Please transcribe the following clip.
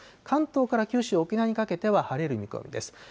関東から九州、沖縄にかけては晴れる見込みです。